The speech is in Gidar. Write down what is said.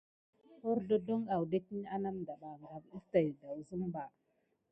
Horzlozloŋ adetine anamdaba agate kusan dirick abosuko.